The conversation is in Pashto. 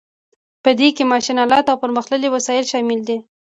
په دې کې ماشین الات او پرمختللي وسایل شامل دي.